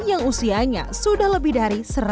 yang usianya sudah lebih dari